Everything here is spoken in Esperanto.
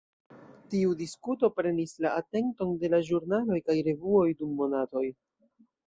Tiu diskuto prenis la atenton de la ĵurnaloj kaj revuoj dum monatojn.